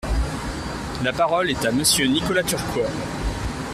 La parole est à Monsieur Nicolas Turquois.